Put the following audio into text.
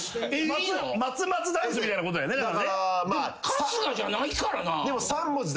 春日じゃないからな。